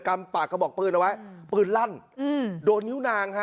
ำปากกระบอกปืนเอาไว้ปืนลั่นอืมโดนนิ้วนางฮะ